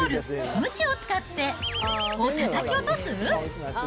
むちを使って×××をたたき落とす？